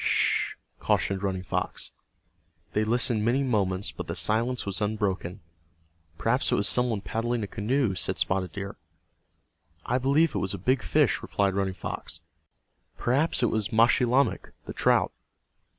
"Sh," cautioned Running Fox. They listened many moments but the silence was unbroken. "Perhaps it was some one paddling a canoe," said Spotted Deer. "I believe it was a big fish," replied Running Fox. "Perhaps it was Maschilamek, the trout."